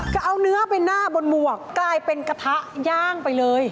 ก็เอาเนื้อไปหน้าบนหมวกกลายเป็นกระทะย่างไปเลย